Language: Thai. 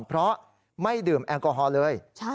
เพราะไม่ดื่มแอลกอฮอล์เลย